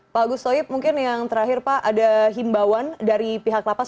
pak agus toib mungkin yang terakhir pak ada himbauan dari pihak lapas